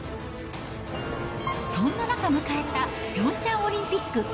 そんな中迎えたピョンチャンオリンピック。